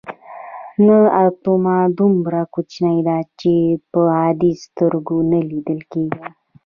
نه اتوم دومره کوچنی دی چې په عادي سترګو نه لیدل کیږي.